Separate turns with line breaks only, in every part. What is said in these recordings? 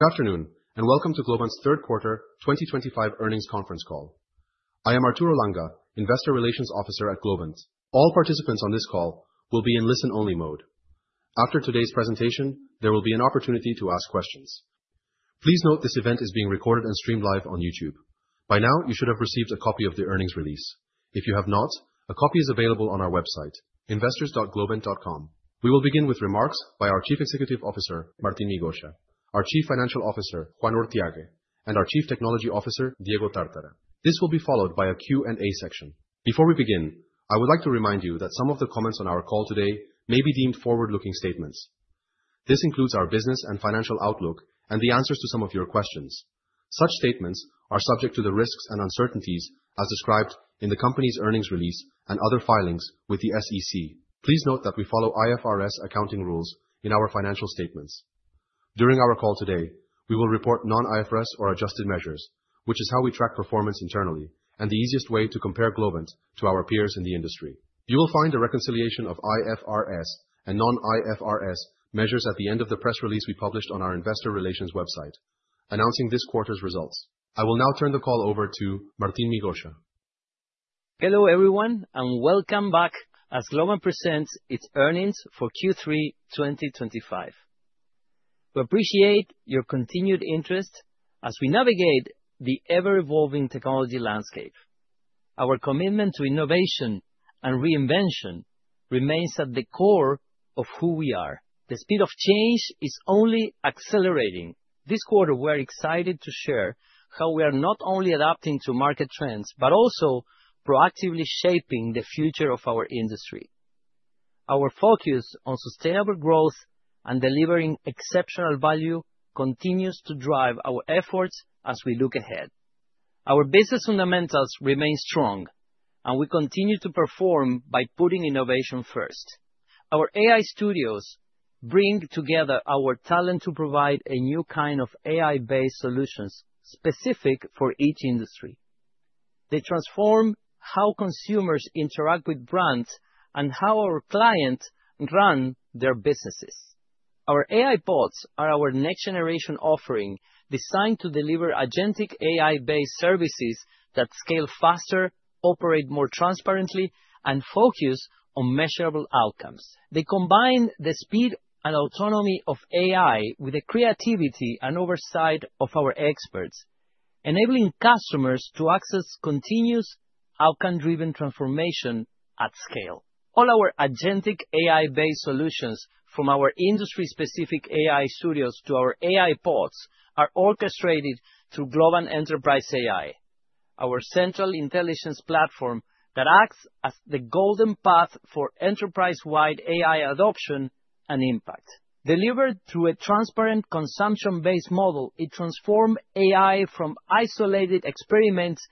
Good afternoon, and welcome to Globant's third quarter 2025 Earnings Conference call. I am Arturo Langa, Investor Relations Officer at Globant. All participants on this call will be in listen-only mode. After today's presentation, there will be an opportunity to ask questions. Please note this event is being recorded and streamed live on YouTube. By now, you should have received a copy of the earnings release. If you have not, a copy is available on our website, investors.globant.com. We will begin with remarks by our Chief Executive Officer, Martín Migoya, our Chief Financial Officer, Juan Urthiague, and our Chief Technology Officer, Diego Tártara. This will be followed by a Q&A section. Before we begin, I would like to remind you that some of the comments on our call today may be deemed forward-looking statements. This includes our business and financial outlook and the answers to some of your questions. Such statements are subject to the risks and uncertainties as described in the company's earnings release and other filings with the SEC. Please note that we follow IFRS accounting rules in our financial statements. During our call today, we will report non-IFRS or adjusted measures, which is how we track performance internally, and the easiest way to compare Globant to our peers in the industry. You will find a reconciliation of IFRS and non-IFRS measures at the end of the press release we published on our Investor Relations website, announcing this quarter's results. I will now turn the call over to Martín Migoya.
Hello everyone, and welcome back as Globant presents its earnings for Q3 2025. We appreciate your continued interest as we navigate the ever-evolving technology landscape. Our commitment to innovation and reinvention remains at the core of who we are. The speed of change is only accelerating. This quarter, we are excited to share how we are not only adapting to market trends but also proactively shaping the future of our industry. Our focus on sustainable growth and delivering exceptional value continues to drive our efforts as we look ahead. Our business fundamentals remain strong, and we continue to perform by putting innovation first. Our AI studios bring together our talent to provide a new kind of AI-based solutions specific for each industry. They transform how consumers interact with brands and how our clients run their businesses. Our AI Bots are our next-generation offering designed to deliver agentic AI-based services that scale faster, operate more transparently, and focus on measurable outcomes. They combine the speed and autonomy of AI with the creativity and oversight of our experts, enabling customers to access continuous outcome-driven transformation at scale. All our agentic AI-based solutions, from our industry-specific AI studios to our AI Bots, are Orchestrated through Globant Enterprise AI, our central intelligence platform that acts as the golden path for enterprise-wide AI adoption and impact. Delivered through a transparent consumption-based model, it transforms AI from isolated experiments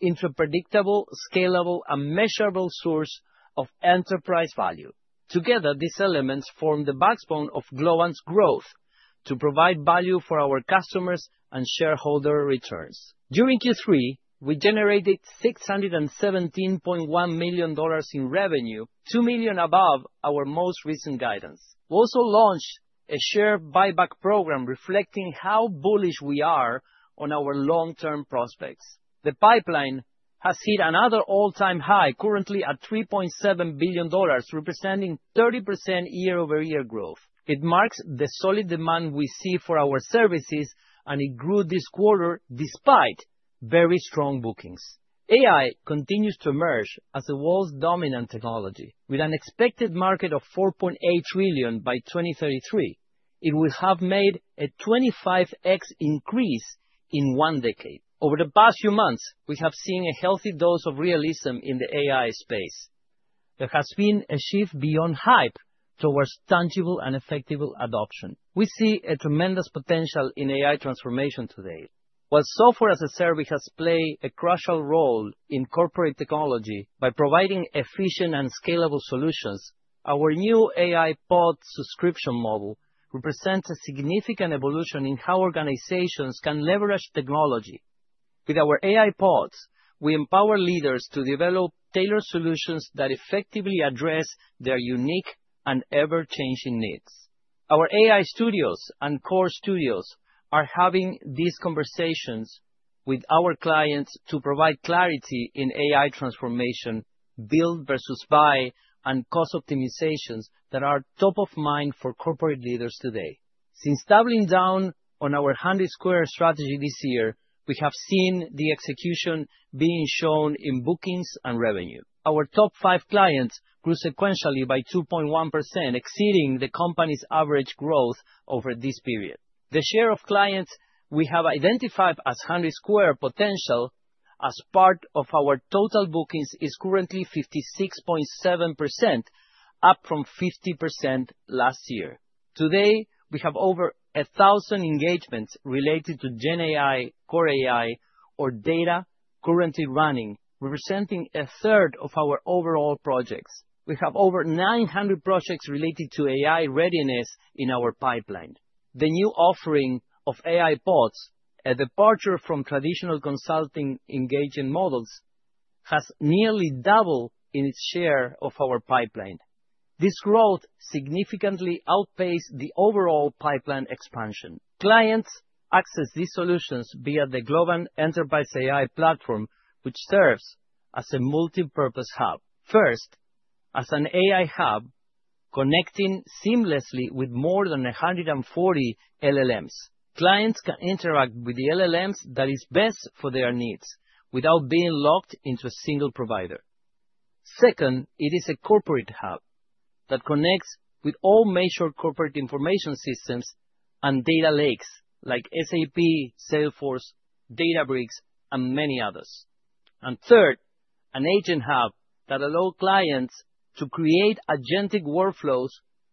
into a predictable, scalable, and measurable source of enterprise value. Together, this elements form the backbone of Globant's growth to provide value for our customers and shareholder returns. During Q3, we generated $617.1 million in revenue, $2 million above our most recent guidance. We also launched a share buyback program reflecting how bullish we are on our long-term prospects. The pipeline has hit another all-time high, currently at $3.7 billion, representing 30% Year-over-Year growth. It marks the solid demand we see for our services, and it grew this quarter despite very strong bookings. AI continues to emerge as the world's dominant technology. With an expected market of $4.8 trillion by 2033, it will have made a 25x increase in one decade. Over the past few months, we have seen a healthy dose of realism in the AI space. There has been a shift beyond hype towards tangible and effective adoption. We see a tremendous potential in AI transformation today. While software as a service has played a crucial role in corporate technology by providing efficient and scalable solutions, our new AI bot subscription model represents a significant evolution in how organizations can leverage technology. With our AI bots, we empower leaders to develop tailored solutions that effectively address their unique and ever-changing needs. Our AI studios and core studios are having these conversations with our clients to provide clarity in AI transformation, build versus buy, and cost optimizations that are top of mind for corporate leaders today. Since doubling down on our hundred square strategy this year, we have seen the execution being shown in bookings and revenue. Our top five clients grew sequentially by 2.1%, exceeding the company's average growth over this period. The share of clients we have identified as hundred square potential as part of our total bookings is currently 56.7%, up from 50% last year. Today, we have over 1,000 engagements related to GenAI, CoreAI, or data currently running, representing a third of our overall projects. We have over 900 projects related to AI readiness in our pipeline. The new offering of AI Bots, a departure from traditional consulting engagement models, has nearly doubled in its share of our pipeline. This growth significantly outpaced the overall pipeline expansion. Clients access these solutions via the Globant Enterprise AI platform, which serves as a multi-purpose hub. First, as an AI hub connecting seamlessly with more than 140 LLMs, clients can interact with the LLMs that are best for their needs without being locked into a single provider. Second, it is a corporate hub that connects with all major corporate information systems and data lakes like SAP, Salesforce, Databricks, and many others. Third, an agent hub that allows clients to create agentic workflows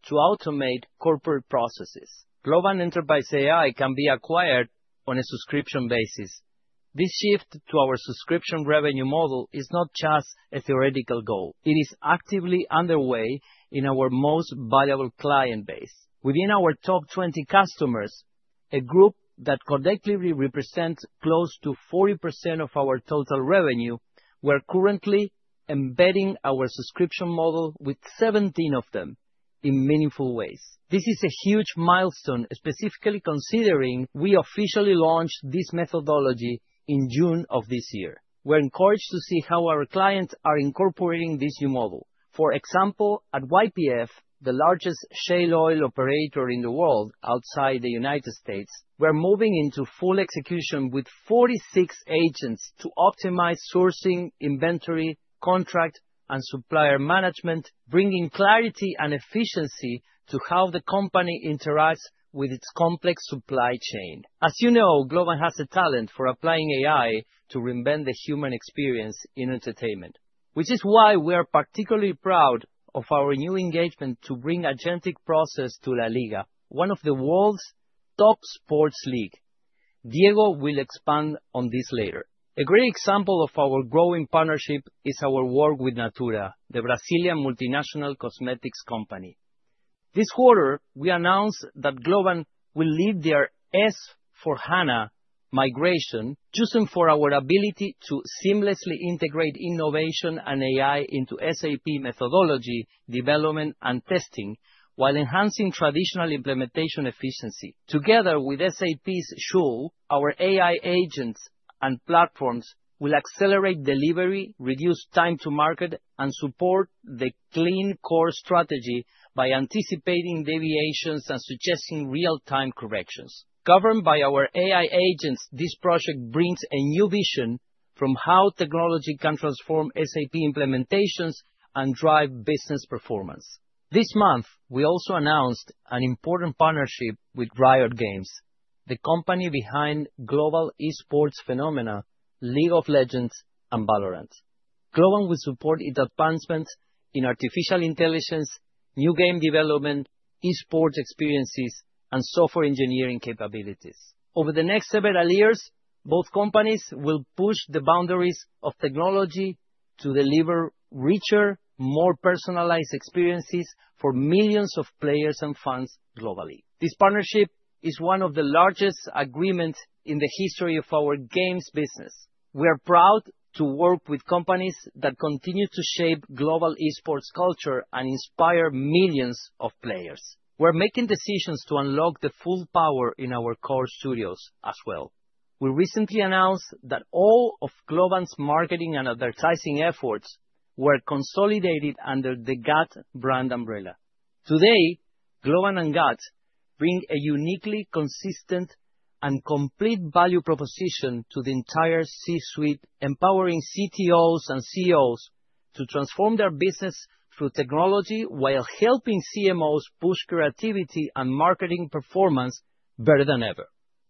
to automate corporate processes. Globant Enterprise AI can be acquired on a subscription basis. This shift to our subscription revenue model is not just a theoretical goal. It is actively underway in our most valuable client base. Within our top 20 customers, a group that correctly represents close to 40% of our total revenue, we are currently embedding our subscription model with 17 of them in meaningful ways. This is a huge milestone, specifically considering we officially launched this methodology in June of this year. We're encouraged to see how our clients are incorporating this new model. For example, at YPF, the largest shale oil operator in the world outside the United States, we're moving into full execution with 46 agents to optimize sourcing, inventory, contract, and supplier management, bringing clarity and efficiency to how the company interacts with its complex supply chain. As you know, Globant has a talent for applying AI to reinvent the human experience in entertainment, which is why we are particularly proud of our new engagement to bring agentic process to La Liga, one of the world's top sports leagues. Diego will expand on this later. A great example of our growing partnership is our work with Natura, the Brazilian multinational cosmetics company. This quarter, we announced that Globant will lead their S/4HANA migration, choosing for our ability to seamlessly integrate innovation and AI into SAP methodology, development, and testing, while enhancing traditional implementation efficiency. Together with SAP's shows, our AI agents and platforms will accelerate delivery, reduce time to market, and support the clean core strategy by anticipating deviations and suggesting real-time corrections. Governed by our AI agents, this project brings a new vision from how technology can transform SAP implementations and drive business performance. This month, we also announced an important partnership with Riot Games, the company behind global Esports phenomena, League of Legends and Valorant. Globant will support its advancements in artificial intelligence, new game development, Esports experiences, and software engineering capabilities. Over the next several years, both companies will push the boundaries of technology to deliver richer, more personalized experiences for millions of players and fans globally. This partnership is one of the largest agreements in the history of our games business. We are proud to work with companies that continue to shape global Esports culture and inspire millions of players. We're making decisions to unlock the full power in our core studios as well. We recently announced that all of Globant's marketing and advertising efforts were consolidated under the GATT brand umbrella. Today, Globant and GATT bring a uniquely consistent and complete value proposition to the entire C-suite, empowering CTOs and CEOs to transform their business through technology while helping CMOs push creativity and marketing performance better than ever.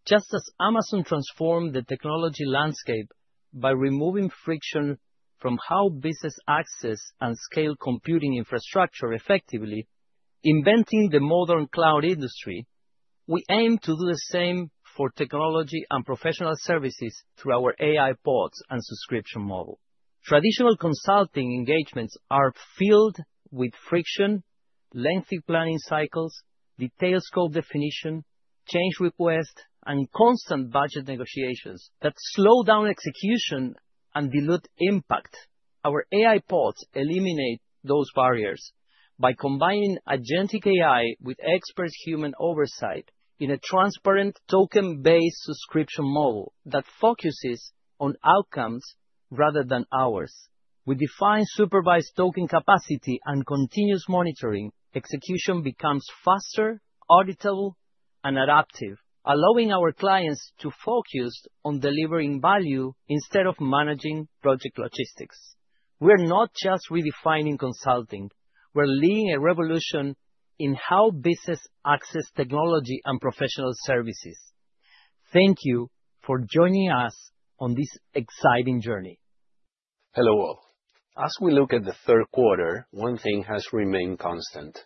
Just as Amazon transformed the technology landscape by removing friction from how business access and scale computing infrastructure effectively, inventing the modern cloud industry, we aim to do the same for technology and professional services through our AI Bots and subscription model. Traditional consulting engagements are filled with friction, lengthy planning cycles, detailed scope definition, change requests, and constant budget negotiations that slow down execution and dilute impact. Our AI Bots eliminate those barriers by combining agentic AI with expert human oversight in a transparent token-based subscription model that focuses on outcomes rather than hours. With defined supervised token capacity and continuous monitoring, execution becomes faster, auditable, and adaptive, allowing our clients to focus on delivering value instead of managing project logistics. We're not just redefining consulting. We're leading a revolution in how business access technology and professional services. Thank you for joining us on this exciting journey.
Hello all. As we look at the third quarter, one thing has remained constant: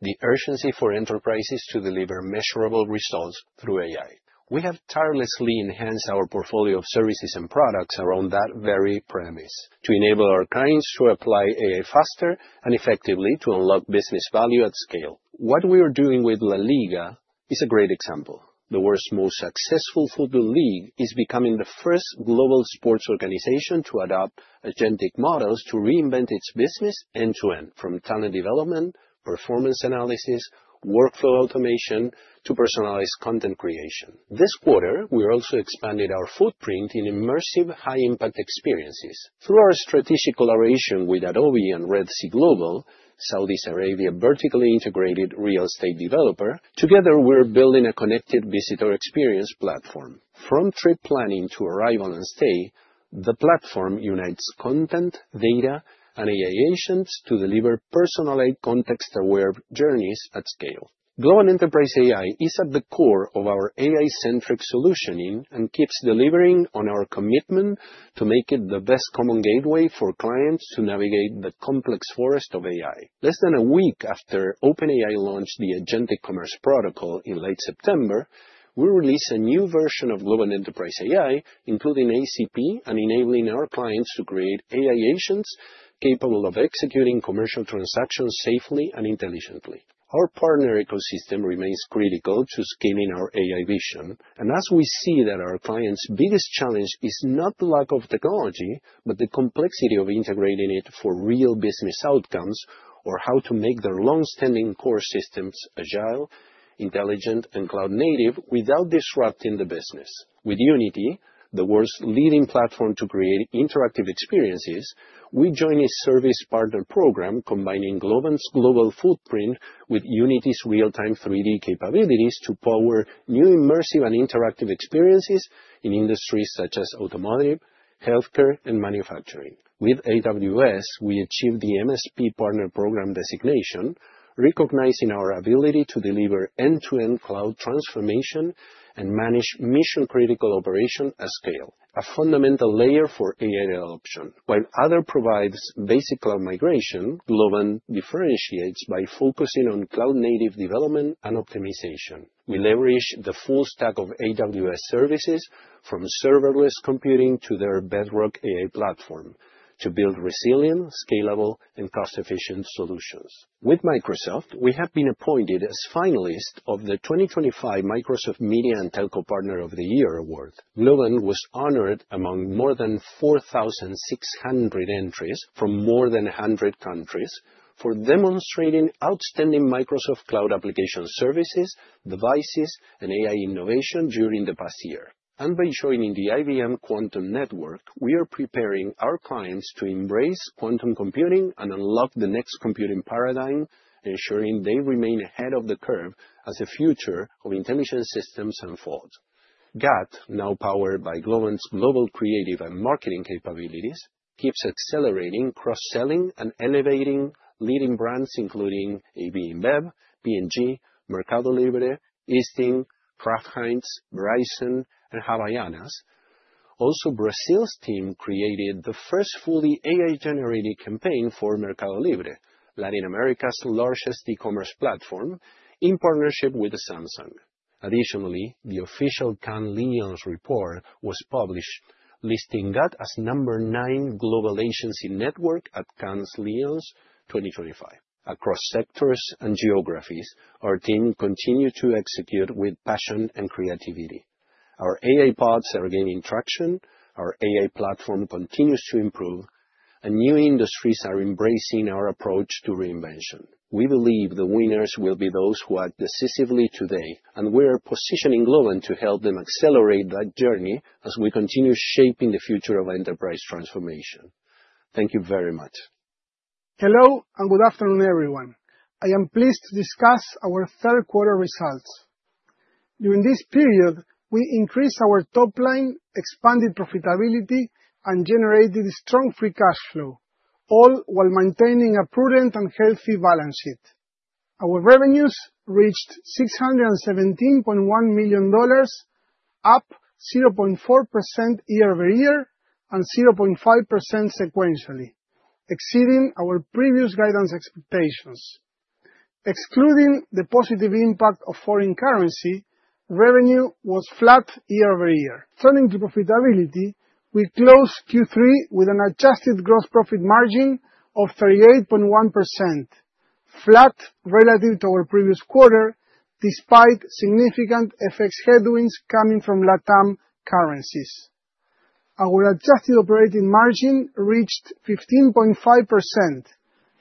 the urgency for enterprises to deliver measurable results through AI. We have tirelessly enhanced our portfolio of services and products around that very premise to enable our clients to apply AI faster and effectively to unlock business value at scale. What we are doing with La Liga is a great example. The world's most successful football league is becoming the first global sports organization to adopt agentic models to reinvent its business end to end, from talent development, performance analysis, workflow automation, to personalized content creation. This quarter, we also expanded our footprint in immersive, high-impact experiences. Through our strategic collaboration with Adobe and Red Sea Global, Saudi Arabia vertically integrated real estate developer, together we're building a connected visitor experience platform. From trip planning to arrival and stay, the platform unites content, data, and AI agents to deliver personalized, context-aware journeys at scale. Globant Enterprise AI is at the core of our AI-centric solutioning and keeps delivering on our commitment to make it the best common gateway for clients to navigate the complex forest of AI. Less than a week after OpenAI launched the Agentic Commerce Protocol in late September, we released a new version of Globant Enterprise AI, including ACP, and enabling our clients to create AI agents capable of executing commercial transactions safely and intelligently. Our partner ecosystem remains critical to scaling our AI vision, and as we see that our clients' biggest challenge is not the lack of technology, but the complexity of integrating it for real business outcomes or how to make their long-standing core systems agile, intelligent, and cloud-native without disrupting the business. With Unity, the world's leading platform to create interactive experiences, we join a service partner program combining Globant's global footprint with Unity's real-time 3D capabilities to power new immersive and interactive experiences in industries such as automotive, healthcare, and manufacturing. With AWS, we achieved the MSP Partner Program designation, recognizing our ability to deliver end-to-end cloud transformation and manage mission-critical operations at scale, a fundamental layer for AI adoption. While other providers provide basic cloud migration, Globant differentiates by focusing on cloud-native development and optimization. We leverage the full stack of AWS services, from Serverless computing to their Bedrock AI platform, to build resilient, scalable, and cost-efficient solutions. With Microsoft, we have been appointed as finalist of the 2025 Microsoft Media and Telco Partner of the Year award. Globant was honored among more than 4,600 entries from more than 100 countries for demonstrating outstanding Microsoft Cloud application services, devices, and AI innovation during the past year. By joining the IBM Quantum Network, we are preparing our clients to embrace quantum computing and unlock the next computing paradigm, ensuring they remain ahead of the curve as the future of intelligent systems unfolds. GATT, now powered by Globant's global creative and marketing capabilities, keeps accelerating cross-selling and elevating leading brands, including AB InBev, P&G, Mercado Libre, Eastin, Kraft Heinz, Verizon, and Havaianas. Also, Brazil's team created the first fully AI-generated campaign for Mercado Libre, Latin America's largest e-commerce platform, in partnership with Samsung. Additionally, the official Cannes Lions report was published, listing GATT as number nine global agency network at Cannes Lions 2025. Across sectors and geographies, our team continues to execute with passion and creativity. Our AI Bots are gaining traction, our AI platform continues to improve, and new industries are embracing our approach to reinvention. We believe the winners will be those who act decisively today, and we are positioning Globant to help them accelerate that journey as we continue shaping the future of enterprise transformation. Thank you very much.
Hello and good afternoon, everyone. I am pleased to discuss our third quarter results. During this period, we increased our top line, expanded profitability, and generated strong free cash flow, all while maintaining a prudent and healthy balance sheet. Our revenues reached $617.1 million, up 0.4% Year-over-Year and 0.5% sequentially, exceeding our previous guidance expectations. Excluding the positive impact of foreign currency, revenue was flat Year-over-Year. Turning to profitability, we closed Q3 with an adjusted gross profit margin of 38.1%, flat relative to our previous quarter, despite significant FX headwinds coming from LATAM currencies. Our adjusted operating margin reached 15.5%,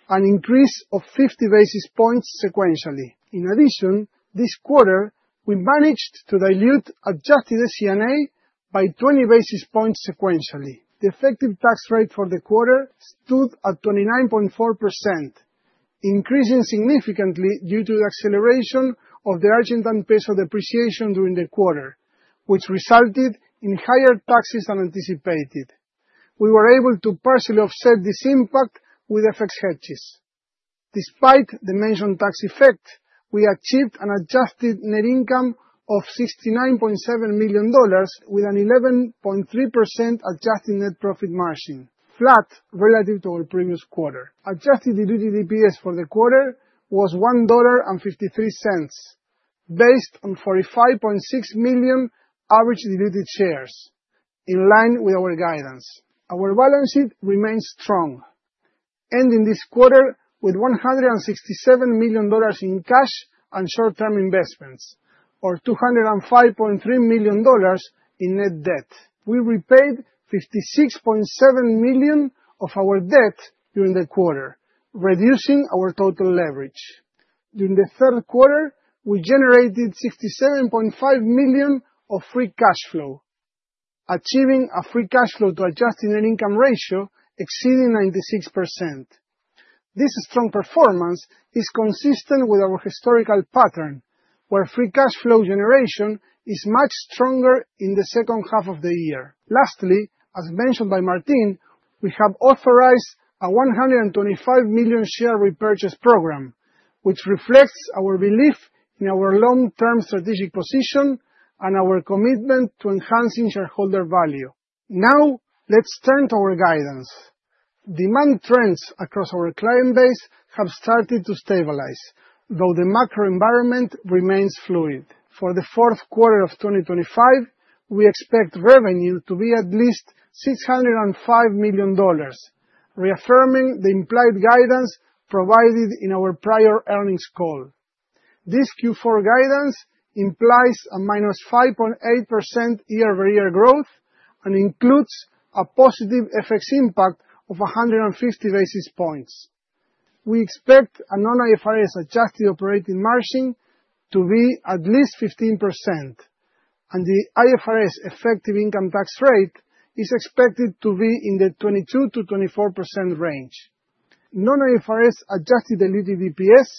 an increase of 50 basis points sequentially. In addition, this quarter, we managed to dilute adjusted ACNA by 20 basis points sequentially. The effective tax rate for the quarter stood at 29.4%, increasing significantly due to the acceleration of the Argentine peso depreciation during the quarter, which resulted in higher taxes than anticipated. We were able to partially offset this impact with FX hedges. Despite the mentioned tax effect, we achieved an adjusted net income of $69.7 million with an 11.3% adjusted net profit margin, flat relative to our previous quarter. Adjusted diluted EPS for the quarter was $1.53, based on 45.6 million average diluted shares, in line with our guidance. Our balance sheet remains strong, ending this quarter with $167 million in cash and short-term investments, or $205.3 million in net debt. We repaid $56.7 million of our debt during the quarter, reducing our total leverage. During the third quarter, we generated $67.5 million of free cash flow, achieving a free cash flow-to-adjusted net income ratio exceeding 96%. This strong performance is consistent with our historical pattern, where free cash flow generation is much stronger in the second half of the year. Lastly, as mentioned by Martín, we have authorized a $125 million share repurchase program, which reflects our belief in our long-term strategic position and our commitment to enhancing shareholder value. Now, let's turn to our guidance. Demand trends across our client base have started to stabilize, though the macro environment remains fluid. For the fourth quarter of 2025, we expect revenue to be at least $605 million, reaffirming the implied guidance provided in our prior earnings call. This Q4 guidance implies a minus 5.8% Year-over-Year growth and includes a positive FX impact of 150 basis points. We expect a non-IFRS adjusted operating margin to be at least 15%, and the IFRS effective income tax rate is expected to be in the 22%-24% range. Non-IFRS adjusted diluted EPS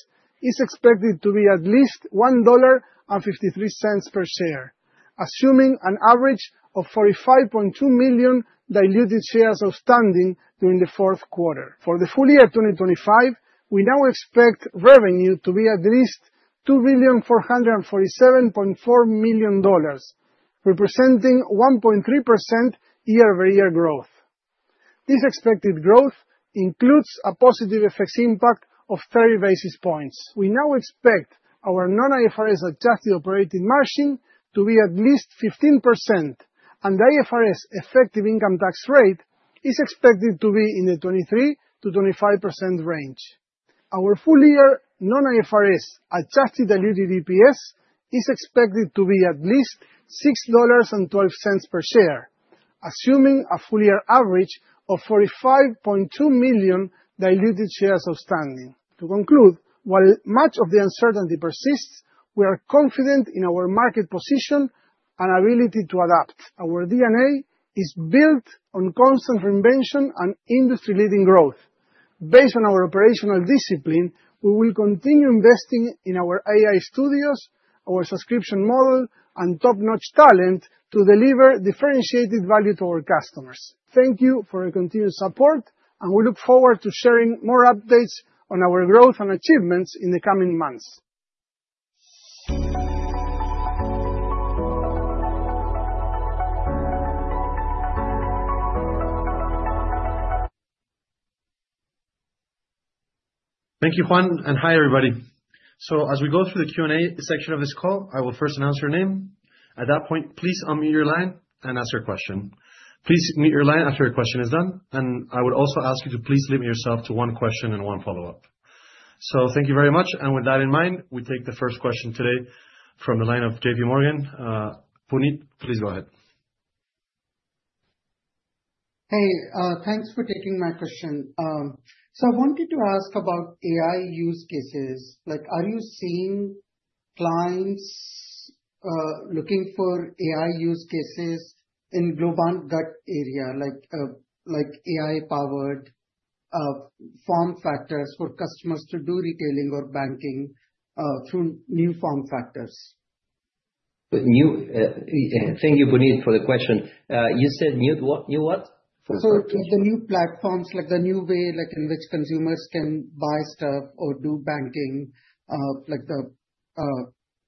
is expected to be at least $1.53 per share, assuming an average of 45.2 million diluted shares outstanding during the fourth quarter. For the full year 2025, we now expect revenue to be at least $2,447.4 million, representing 1.3% Year-over-Year growth. This expected growth includes a positive FX impact of 30 basis points. We now expect our non-IFRS adjusted operating margin to be at least 15%, and the IFRS effective income tax rate is expected to be in the 23%-25% range. Our full year non-IFRS adjusted diluted EPS is expected to be at least $6.12 per share, assuming a full year average of 45.2 million diluted shares outstanding. To conclude, while much of the uncertainty persists, we are confident in our market position and ability to adapt. Our DNA is built on constant reinvention and industry-leading growth. Based on our operational discipline, we will continue investing in our AI studios, our subscription model, and top-notch talent to deliver differentiated value to our customers. Thank you for your continued support, and we look forward to sharing more updates on our growth and achievements in the coming months.
Thank you, Juan, and hi, everybody. As we go through the Q&A section of this call, I will first announce your name. At that point, please unmute your line and ask your question. Please mute your line after your question is done, and I would also ask you to please limit yourself to one question and one follow-up. Thank you very much, and with that in mind, we take the first question today from the line of JPMorgan. Puni, please go ahead.
Hey, thanks for taking my question. I wanted to ask about AI use cases. Like, are you seeing clients looking for AI use cases in Globant GATT area, like AI-powered form factors for customers to do retailing or banking through new form factors?
Thank you, Puneet, for the question. You said new what?
The new platforms, like the new way in which consumers can buy stuff or do banking,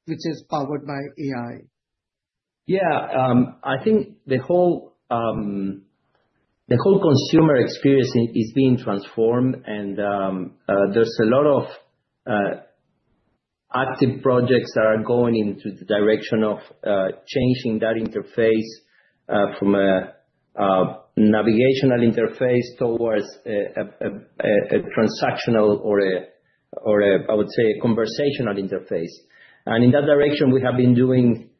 which is powered by AI.
Yeah, I think the whole consumer experience is being transformed, and there's a lot of active projects that are going in the direction of changing that interface from a navigational interface towards a transactional or, I would say, a conversational interface. In that direction, we have been doing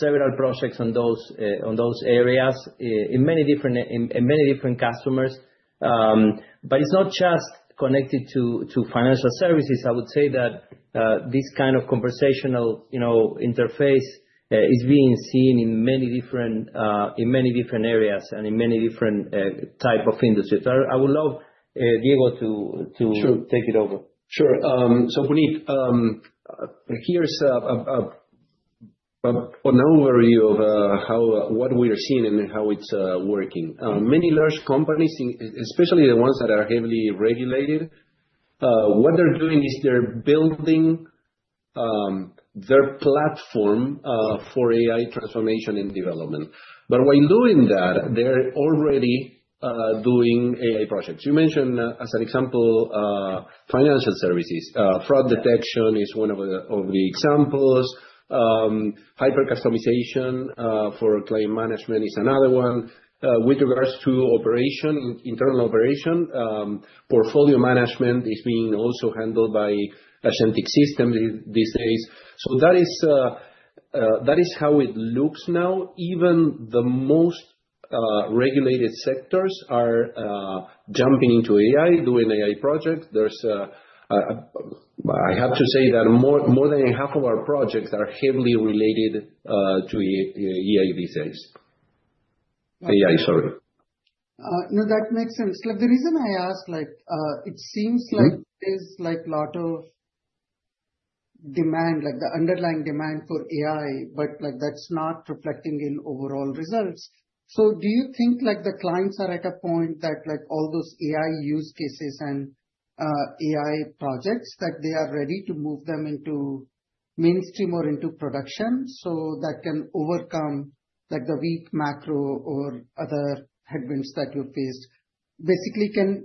several projects on those areas in many different customers. It is not just connected to financial services. I would say that this kind of conversational interface is being seen in many different areas and in many different types of industries. I would love Diego to take it over.
Sure. Puni, here's an overview of what we are seeing and how it's working. Many large companies, especially the ones that are heavily regulated, what they're doing is they're building their platform for AI transformation and development. While doing that, they're already doing AI projects. You mentioned, as an example, financial services. Fraud detection is one of the examples. Hypercustomization for client management is another one. With regards to operation, internal operation, portfolio management is being also handled by Agentic Systems these days. That is how it looks now. Even the most regulated sectors are jumping into AI, doing AI projects. I have to say that more than half of our projects are heavily related to AI these days. AI, sorry.
No, that makes sense. The reason I ask, it seems like there's a lot of demand, like the underlying demand for AI, but that's not reflecting in overall results. Do you think the clients are at a point that all those AI use cases and AI projects, that they are ready to move them into mainstream or into production so that can overcome the weak macro or other headwinds that you've faced? Basically,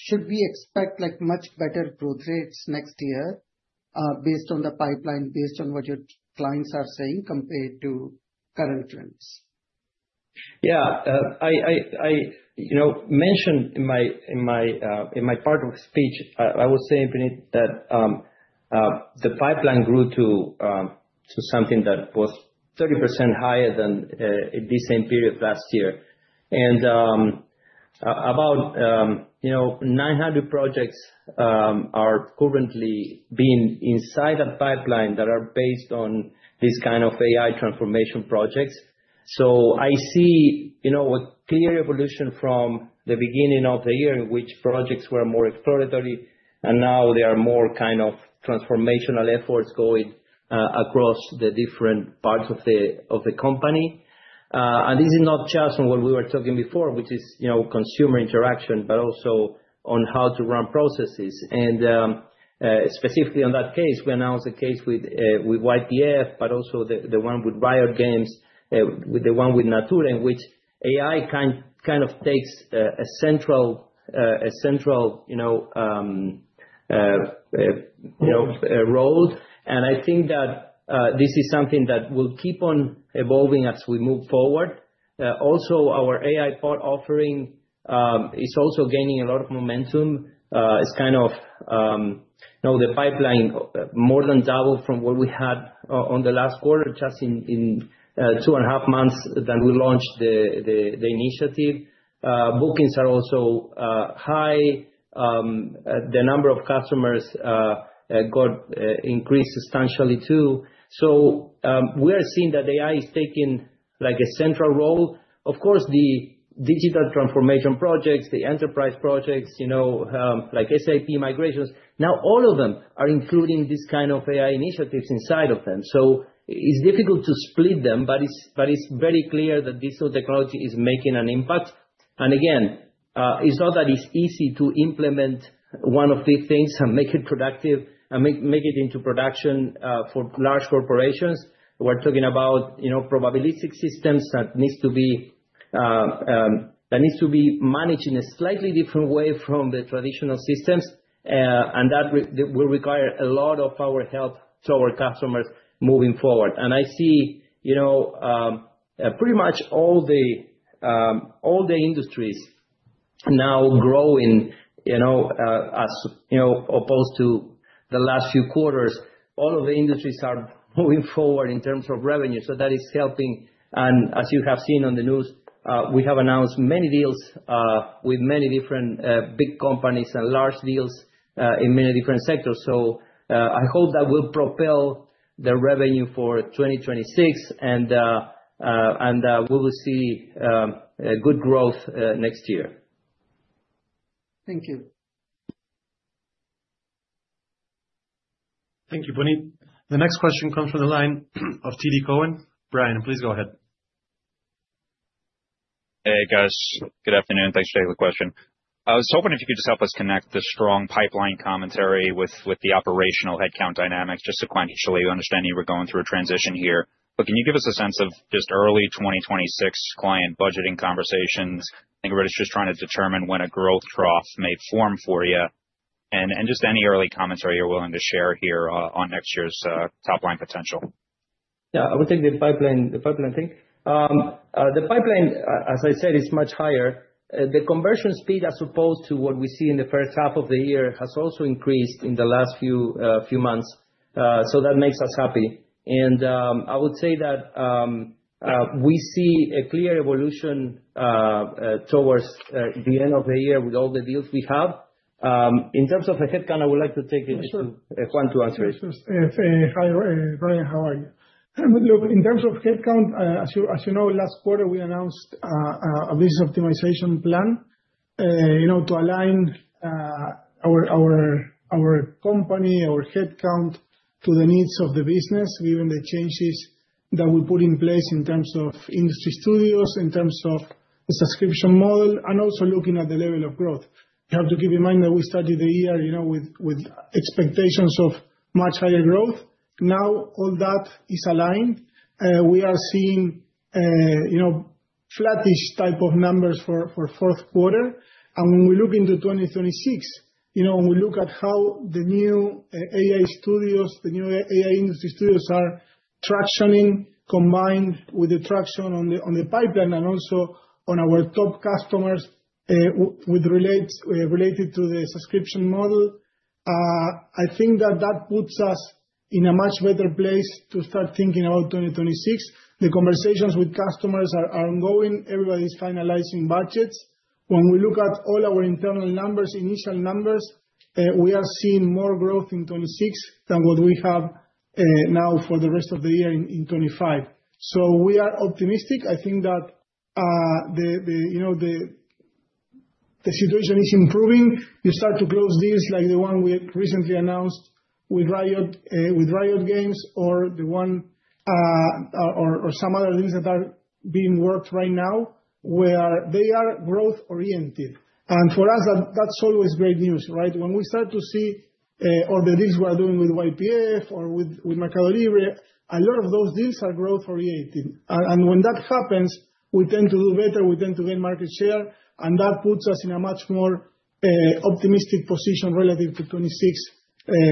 should we expect much better growth rates next year based on the pipeline, based on what your clients are saying compared to current trends?
Yeah, I mentioned in my part of the speech, I was saying, Puni, that the pipeline grew to something that was 30% higher than in the same period last year. And about 900 projects are currently being inside that pipeline that are based on this kind of AI transformation projects. I see a clear evolution from the beginning of the year in which projects were more exploratory, and now there are more kind of transformational efforts going across the different parts of the company. This is not just on what we were talking before, which is consumer interaction, but also on how to run processes. Specifically on that case, we announced a case with YPF, but also the one with Riot Games, with the one with Natura, in which AI kind of takes a central role. I think that this is something that will keep on evolving as we move forward. Also, our AI part offering is also gaining a lot of momentum. It's kind of, the pipeline more than doubled from what we had on the last quarter, just in two and a half months that we launched the initiative. Bookings are also high. The number of customers got increased substantially, too. We are seeing that AI is taking a central role. Of course, the digital transformation projects, the enterprise projects, like SAP migrations, now all of them are including these kinds of AI initiatives inside of them. It's difficult to split them, but it's very clear that this new technology is making an impact. Again, it's not that it's easy to implement one of these things and make it productive and make it into production for large corporations. We're talking about probabilistic systems that need to be managed in a slightly different way from the traditional systems, and that will require a lot of our help to our customers moving forward. I see pretty much all the industries now growing as opposed to the last few quarters. All of the industries are moving forward in terms of revenue, so that is helping. As you have seen on the news, we have announced many deals with many different big companies and large deals in many different sectors. I hope that will propel the revenue for 2026, and we will see good growth next year.
Thank you.
Thank you, Puneet. The next question comes from the line of T.D. Cowen. Brian, please go ahead.
Hey, guys. Good afternoon. Thanks for taking the question. I was hoping if you could just help us connect the strong pipeline commentary with the operational headcount dynamics, just to kind of show you understand you were going through a transition here. Can you give us a sense of just early 2026 client budgeting conversations? I think everybody's just trying to determine when a growth trough may form for you. Just any early commentary you're willing to share here on next year's top-line potential.
Yeah, I would take the pipeline thing. The pipeline, as I said, is much higher. The conversion speed, as opposed to what we see in the first half of the year, has also increased in the last few months. That makes us happy. I would say that we see a clear evolution towards the end of the year with all the deals we have. In terms of the headcount, I would like to take it to Juan to answer it.
Sure. Hi, Brian, how are you? Look, in terms of headcount, as you know, last quarter, we announced a business optimization plan to align our company, our headcount, to the needs of the business, given the changes that we put in place in terms of industry studios, in terms of the subscription model, and also looking at the level of growth. You have to keep in mind that we started the year with expectations of much higher growth. Now, all that is aligned. We are seeing flattish type of numbers for the fourth quarter. When we look into 2026, when we look at how the new AI studios, the new AI industry studios are tractioning, combined with the traction on the pipeline and also on our top customers related to the subscription model, I think that that puts us in a much better place to start thinking about 2026. The conversations with customers are ongoing. Everybody's finalizing budgets. When we look at all our internal numbers, initial numbers, we are seeing more growth in 2026 than what we have now for the rest of the year in 2025. We are optimistic. I think that the situation is improving. You start to close deals like the one we recently announced with Riot Games or some other deals that are being worked right now, where they are growth-oriented. For us, that's always great news, right? When we start to see all the deals we are doing with YPF or with Mercado Libre, a lot of those deals are growth-oriented. When that happens, we tend to do better. We tend to gain market share. That puts us in a much more optimistic position relative to 2026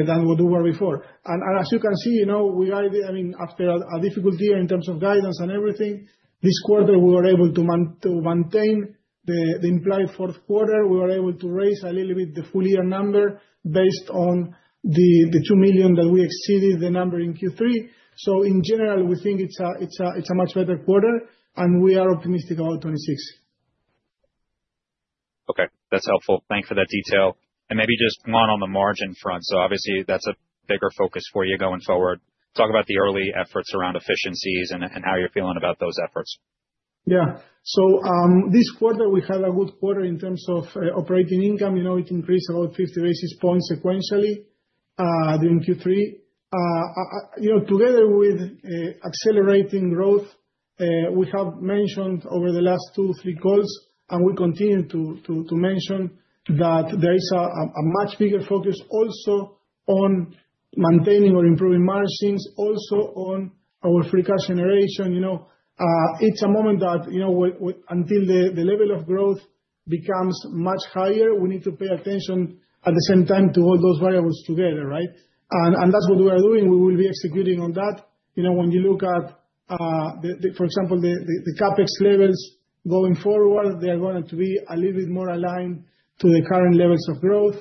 than what we were before. As you can see, I mean, after a difficult year in terms of guidance and everything, this quarter, we were able to maintain the implied fourth quarter. We were able to raise a little bit the full year number based on the $2 million that we exceeded the number in Q3. In general, we think it is a much better quarter, and we are optimistic about 2026.
Okay, that's helpful. Thanks for that detail. Maybe just Juan on the margin front. Obviously, that's a bigger focus for you going forward. Talk about the early efforts around efficiencies and how you're feeling about those efforts.
Yeah. This quarter, we had a good quarter in terms of operating income. It increased about 50 basis points sequentially during Q3. Together with accelerating growth, we have mentioned over the last two, three calls, and we continue to mention that there is a much bigger focus also on maintaining or improving margins, also on our free cash generation. It is a moment that until the level of growth becomes much higher, we need to pay attention at the same time to all those variables together, right? That is what we are doing. We will be executing on that. When you look at, for example, the CapEx levels going forward, they are going to be a little bit more aligned to the current levels of growth.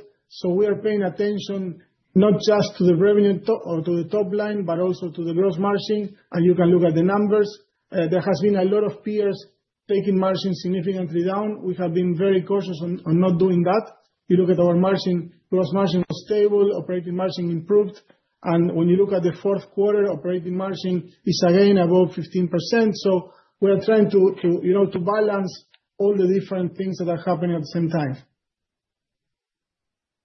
We are paying attention not just to the revenue or to the top line, but also to the gross margin. You can look at the numbers. There has been a lot of peers taking margin significantly down. We have been very cautious on not doing that. You look at our margin, gross margin was stable, operating margin improved. When you look at the fourth quarter, operating margin is again above 15%. We are trying to balance all the different things that are happening at the same time.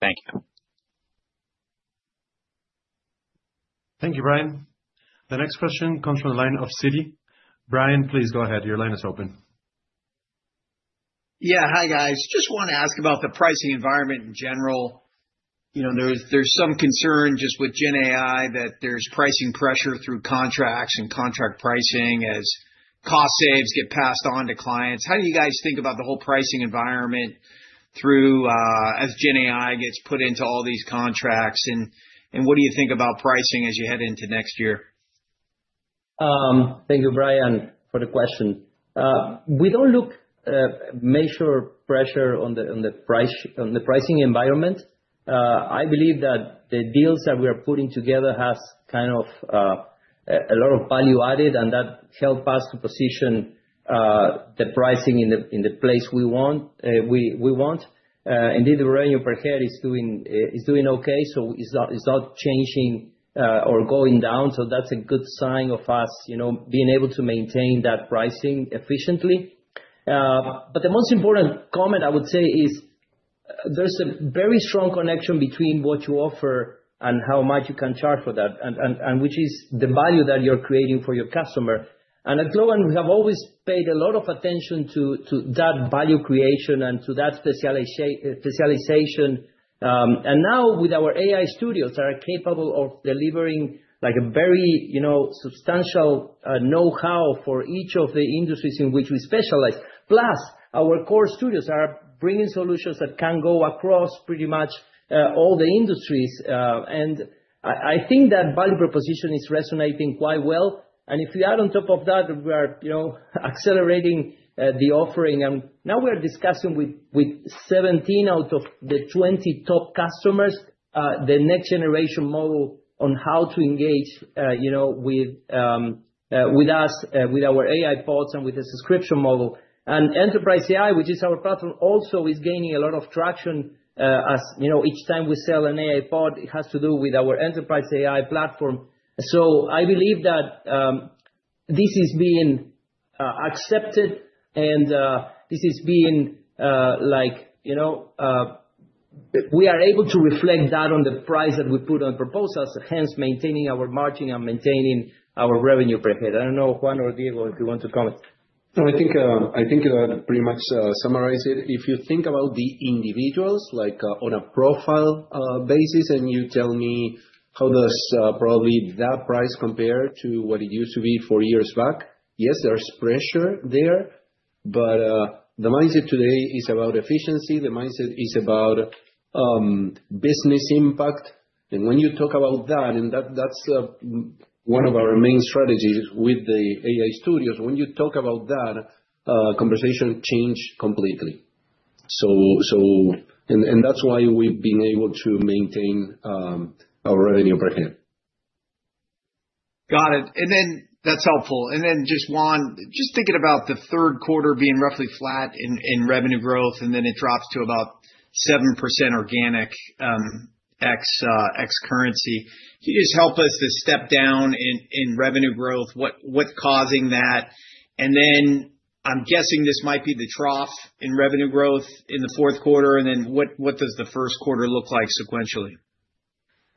Thank you.
Thank you, Brian. The next question comes from the line of CD. Brian, please go ahead. Your line is open.
Yeah, hi, guys. Just want to ask about the pricing environment in general. There's some concern just with GenAI that there's pricing pressure through contracts and contract pricing as cost savings get passed on to clients. How do you guys think about the whole pricing environment as GenAI gets put into all these contracts? What do you think about pricing as you head into next year?
Thank you, Brian, for the question. We do not look at major pressure on the pricing environment. I believe that the deals that we are putting together have kind of a lot of value added, and that helps us to position the pricing in the place we want. Indeed, the revenue per head is doing okay, so it is not changing or going down. That is a good sign of us being able to maintain that pricing efficiently. The most important comment I would say is there is a very strong connection between what you offer and how much you can charge for that, which is the value that you are creating for your customer. At Globant, we have always paid a lot of attention to that value creation and to that specialization. Now, with our AI studios that are capable of delivering a very substantial know-how for each of the industries in which we specialize, plus our core studios are bringing solutions that can go across pretty much all the industries. I think that value proposition is resonating quite well. If you add on top of that, we are accelerating the offering. Now we are discussing with 17 out of the 20 top customers. The next generation model on how to engage with us, with our AI Bots, and with the subscription model. Enterprise AI, which is our platform, also is gaining a lot of traction. Each time we sell an AI Bot, it has to do with our Enterprise AI platform. I believe that this is being accepted, and this is being like we are able to reflect that on the price that we put on proposals, hence maintaining our margin and maintaining our revenue per head. I don't know, Juan or Diego, if you want to comment.
No, I think you pretty much summarized it. If you think about the individuals on a profile basis and you tell me how does probably that price compare to what it used to be four years back, yes, there's pressure there. The mindset today is about efficiency. The mindset is about business impact. When you talk about that, and that's one of our main strategies with the AI studios, when you talk about that, conversations change completely. That's why we've been able to maintain our revenue per head.
Got it. That is helpful. Juan, just thinking about the third quarter being roughly flat in revenue growth, and then it drops to about 7% organic Ex-currency. Can you just help us to step down in revenue growth? What is causing that? I am guessing this might be the trough in revenue growth in the fourth quarter. What does the first quarter look like sequentially?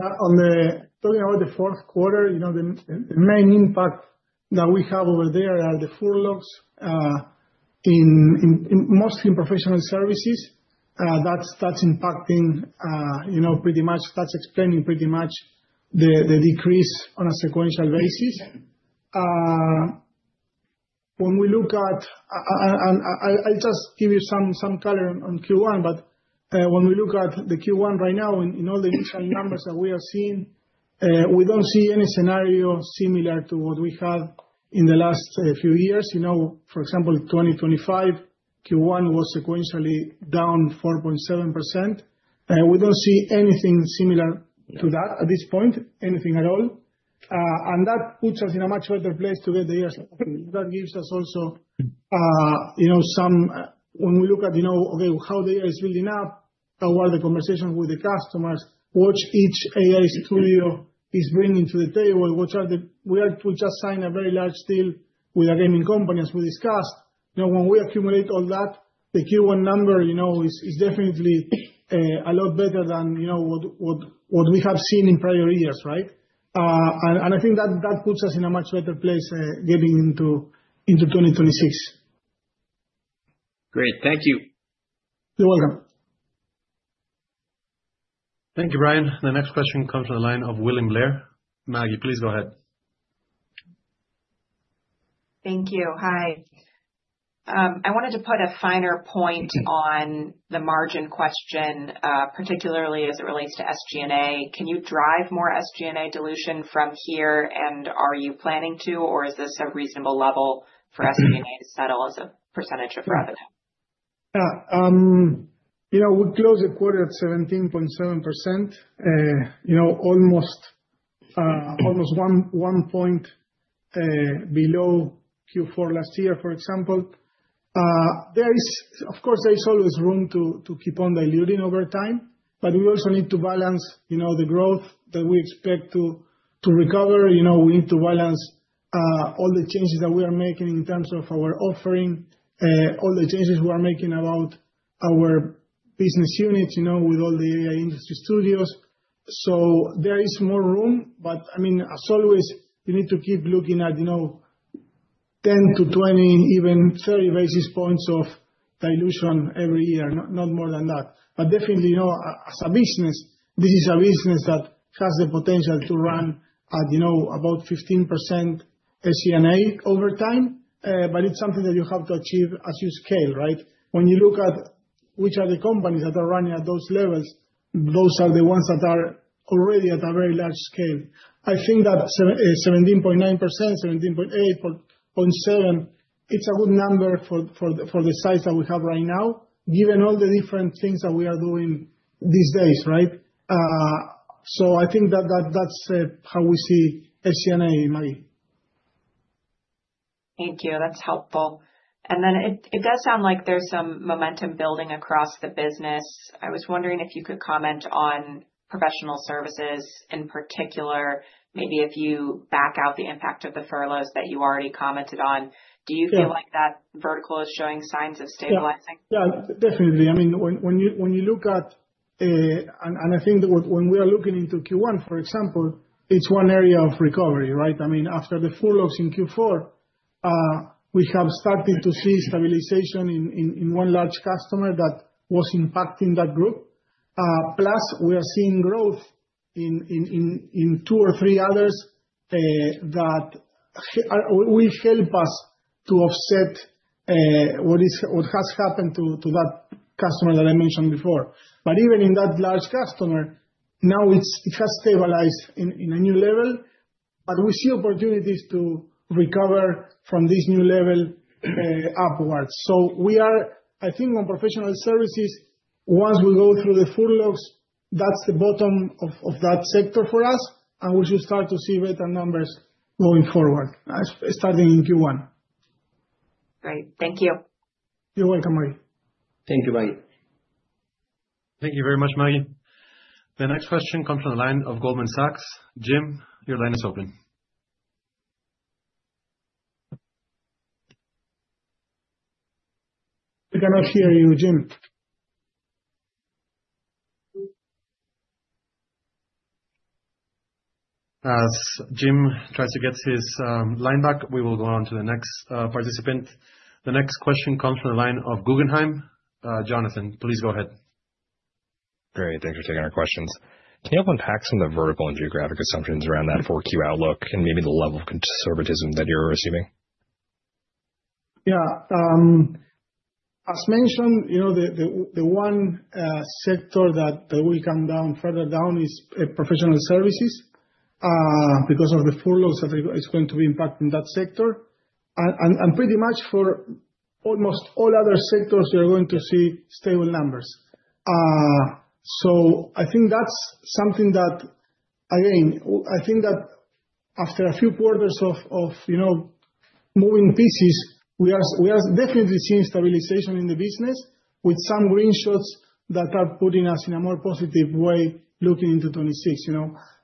On the talking about the fourth quarter, the main impact that we have over there are the furloughs, mostly in professional services. That is impacting pretty much, that is explaining pretty much the decrease on a sequential basis. When we look at, and I'll just give you some color on Q1, but when we look at the Q1 right now, in all the initial numbers that we are seeing, we do not see any scenario similar to what we had in the last few years. For example, 2025, Q1 was sequentially down 4.7%. We do not see anything similar to that at this point, anything at all. That puts us in a much better place to get the year's, that gives us also some, when we look at, okay, how the year is building up, how are the conversations with the customers, what each AI studio is bringing to the table, what are the, we just signed a very large deal with a gaming company, as we discussed. When we accumulate all that, the Q1 number is definitely a lot better than what we have seen in prior years, right? I think that puts us in a much better place getting into 2026.
Great. Thank you.
You're welcome.
Thank you, Brian. The next question comes from the line of Willie Blair. Maggie, please go ahead.
Thank you. Hi. I wanted to put a finer point on the margin question, particularly as it relates to SG&A. Can you drive more SG&A dilution from here, and are you planning to, or is this a reasonable level for SG&A to settle as a percentage of revenue?
Yeah. We closed the quarter at 17.7%, almost one point below Q4 last year, for example. Of course, there is always room to keep on diluting over time, but we also need to balance the growth that we expect to recover. We need to balance all the changes that we are making in terms of our offering, all the changes we are making about our business units with all the AI industry studios. There is more room, but I mean, as always, you need to keep looking at 10-20, even 30 basis points of dilution every year, not more than that. Definitely, as a business, this is a business that has the potential to run at about 15% SG&A over time, but it is something that you have to achieve as you scale, right? When you look at which are the companies that are running at those levels, those are the ones that are already at a very large scale. I think that 17.9%, 17.8%, 0.7%, it's a good number for the size that we have right now, given all the different things that we are doing these days, right? I think that that's how we see SG&A, Maggie.
Thank you. That's helpful. It does sound like there's some momentum building across the business. I was wondering if you could comment on professional services in particular, maybe if you back out the impact of the furloughs that you already commented on. Do you feel like that vertical is showing signs of stabilizing?
Yeah, definitely. I mean, when you look at and I think when we are looking into Q1, for example, it's one area of recovery, right? I mean, after the furloughs in Q4, we have started to see stabilization in one large customer that was impacting that group. Plus, we are seeing growth in two or three others that will help us to offset what has happened to that customer that I mentioned before. Even in that large customer, now it has stabilized in a new level, but we see opportunities to recover from this new level upwards. I think on professional services, once we go through the furloughs, that's the bottom of that sector for us, and we should start to see better numbers going forward, starting in Q1.
Great. Thank you.
You're welcome, Maggie.
Thank you, Maggie.
Thank you very much, Maggie. The next question comes from the line of Goldman Sachs. Jim, your line is open.
We cannot hear you, Jim.
As Jim tries to get his line back, we will go on to the next participant. The next question comes from the line of Guggenheim. Jonathan, please go ahead.
Great. Thanks for taking our questions. Can you help unpack some of the vertical and geographic Assumptions around that for Q outlook and maybe the level of conservatism that you're assuming?
Yeah. As mentioned, the one sector that will come down further down is professional services because of the furloughs that are going to be impacting that sector. And pretty much for almost all other sectors, you're going to see stable numbers. I think that's something that, again, I think that after a few quarters of moving pieces, we are definitely seeing stabilization in the business with some green shots that are putting us in a more positive way looking into 2026.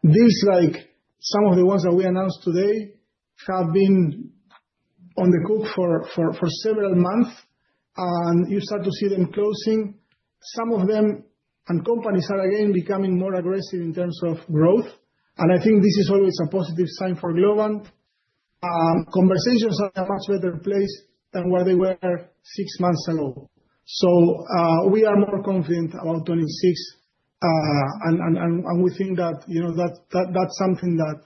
Deals like some of the ones that we announced today have been on the hook for several months, and you start to see them closing. Some of them and companies are again becoming more aggressive in terms of growth. I think this is always a positive sign for Globant. Conversations are in a much better place than where they were six months ago. We are more confident about 2026, and we think that that's something that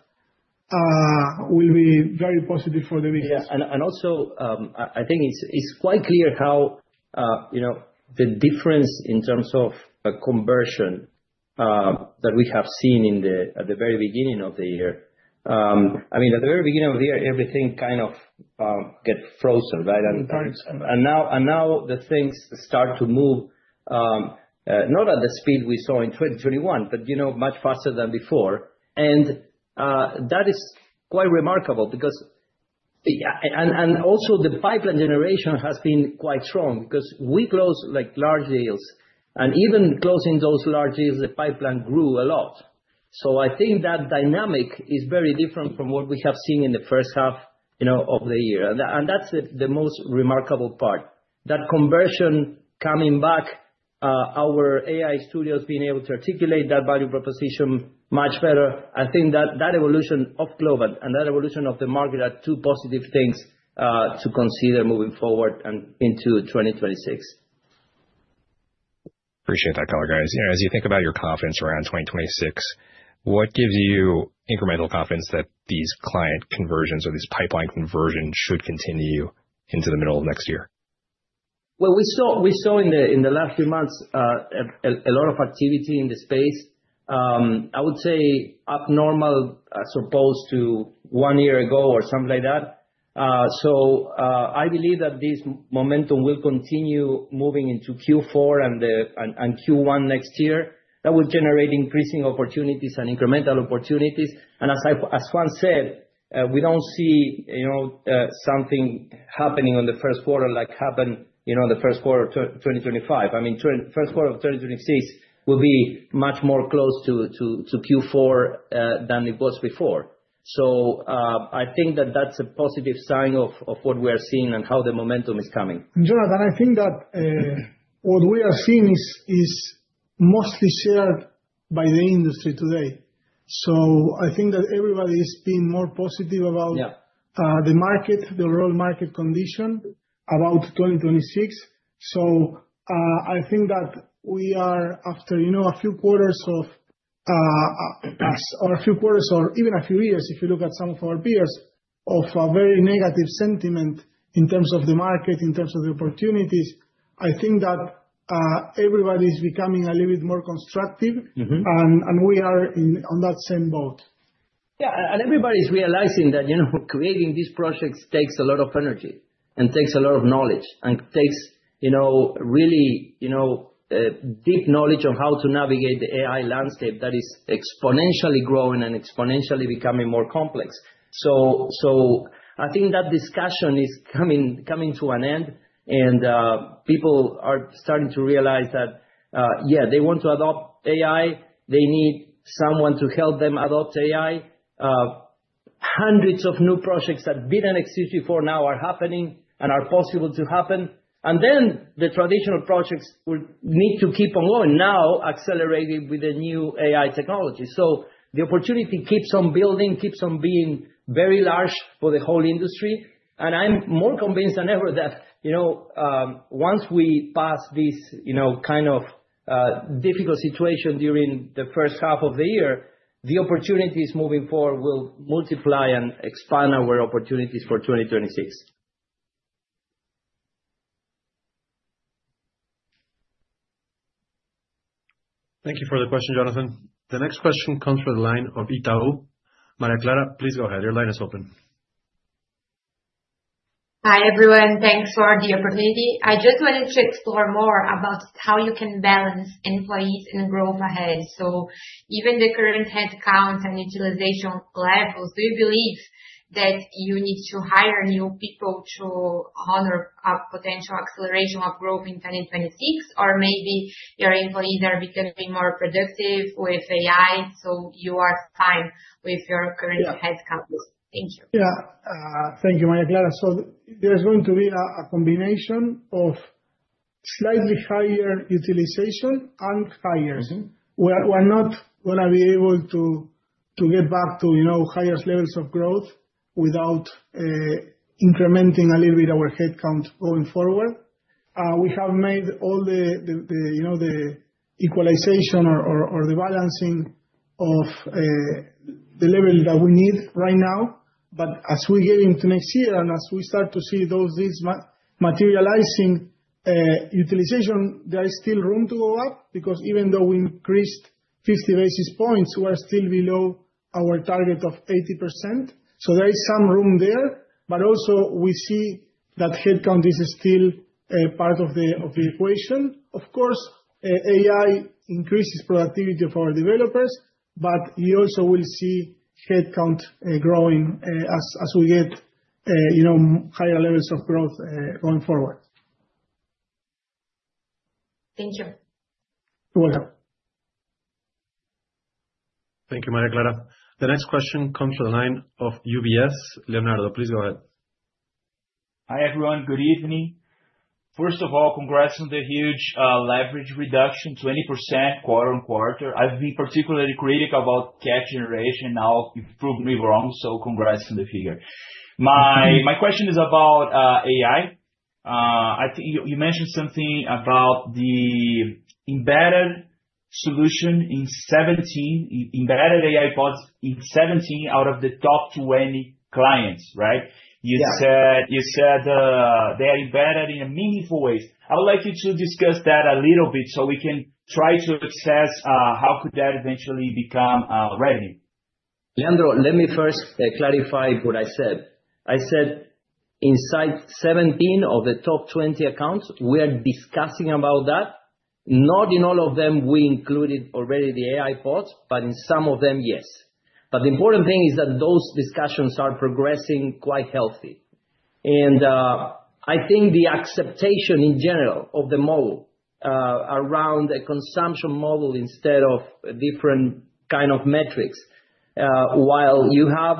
will be very positive for the business.
Yeah. Also, I think it's quite clear how the difference in terms of conversion that we have seen at the very beginning of the year. I mean, at the very beginning of the year, everything kind of got frozen, right? Now things start to move, not at the speed we saw in 2021, but much faster than before. That is quite remarkable because, and also, the pipeline generation has been quite strong because we close large deals. Even closing those large deals, the pipeline grew a lot. I think that dynamic is very different from what we have seen in the first half of the year. That's the most remarkable part. That conversion coming back, our AI studios being able to articulate that value proposition much better. I think that evolution of Globant and that evolution of the market are two positive things to consider moving forward into 2026.
Appreciate that, Carl, guys. As you think about your confidence around 2026, what gives you incremental confidence that these client conversions or these pipeline conversions should continue into the middle of next year?
We saw in the last few months a lot of activity in the space. I would say abnormal as opposed to one year ago or something like that. I believe that this momentum will continue moving into Q4 and Q1 next year. That will generate increasing opportunities and incremental opportunities. As Juan said, we do not see something happening on the first quarter like happened in the first quarter of 2025. I mean, first quarter of 2026 will be much more close to Q4 than it was before. I think that that is a positive sign of what we are seeing and how the momentum is coming.
Jonathan, I think that what we are seeing is mostly shared by the industry today. I think that everybody is being more positive about the market, the overall market condition about 2026. I think that we are after a few quarters or even a few years, if you look at some of our peers, of a very negative sentiment in terms of the market, in terms of the opportunities. I think that everybody is becoming a little bit more constructive, and we are on that same boat.
Yeah. Everybody is realizing that creating these projects takes a lot of energy and takes a lot of knowledge and takes really deep knowledge on how to navigate the AI landscape that is exponentially growing and exponentially becoming more complex. I think that discussion is coming to an end, and people are starting to realize that, yeah, they want to adopt AI. They need someone to help them adopt AI. Hundreds of new projects that did not exist before now are happening and are possible to happen. The traditional projects will need to keep on going, now accelerated with the new AI technology. The opportunity keeps on building, keeps on being very large for the whole industry. I'm more convinced than ever that once we pass this kind of difficult situation during the first half of the year, the opportunities moving forward will multiply and expand our opportunities for 2026.
Thank you for the question, Jonathan. The next question comes from the line of Itao. Maria Clara, please go ahead. Your line is open.
Hi, everyone. Thanks for the opportunity. I just wanted to explore more about how you can balance employees and growth ahead. Even the current headcount and utilization levels, do you believe that you need to hire new people to honor a potential acceleration of growth in 2026, or maybe your employees are becoming more productive with AI, so you are fine with your current headcount? Thank you.
Yeah. Thank you, Maria Clara. There is going to be a combination of slightly higher utilization and hires. We are not going to be able to get back to higher levels of growth without incrementing a little bit our headcount going forward. We have made all the equalization or the balancing of the level that we need right now. As we get into next year and as we start to see those deals materializing, utilization, there is still room to go up because even though we increased 50 basis points, we are still below our target of 80%. There is some room there, but also we see that headcount is still part of the equation. Of course, AI increases productivity of our developers, but you also will see headcount growing as we get higher levels of growth going forward.
Thank you.
You're welcome.
Thank you, Maria Clara. The next question comes from the line of UBS. Leonardo, please go ahead.
Hi, everyone. Good evening. First of all, congrats on the huge leverage reduction, 20% quarter on quarter. I've been particularly critical about cash generation. Now, prove me wrong, so congrats on the figure. My question is about AI. You mentioned something about the embedded solution in 17, embedded AI Bots in 17 out of the top 20 clients, right? You said they are embedded in meaningful ways. I would like you to discuss that a little bit so we can try to assess how could that eventually become revenue.
Leandro, let me first clarify what I said. I said inside 17 of the top 20 accounts, we are discussing about that. Not in all of them we included already the AI bots, but in some of them, yes. The important thing is that those discussions are progressing quite healthy. I think the acceptation in general of the model around the consumption model instead of different kinds of metrics, while you have